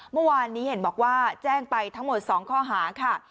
เมื่อวานนี้เห็นบอกว่าแจ้งไปทั้งหมด๒ข้อหาค่ะ